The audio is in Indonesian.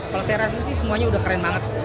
kalau saya rasa sih semuanya udah keren banget